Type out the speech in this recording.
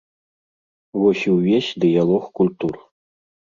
Вось і ўвесь дыялог культур.